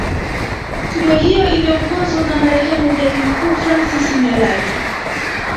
Tume hiyo iliongozwa na marehemu jaji mkuu Francis Nyalali